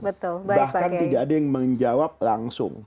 betul bahkan tidak ada yang menjawab langsung